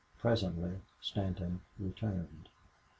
Presently Stanton returned.